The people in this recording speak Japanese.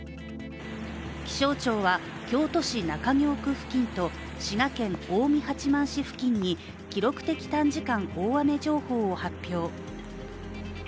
気象庁は京都市中京区付近と滋賀県近江八幡市付近に記録的短時間大雨情報を発表。